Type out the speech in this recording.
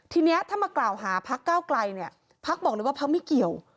ทีนี้ถ้ามากล่าวหาพักเก้าไกลเนี่ยพักบอกเลยว่าพักไม่เกี่ยว